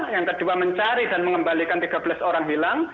yang kedua mencari dan mengembalikan tiga belas orang hilang